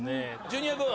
ジュニア君。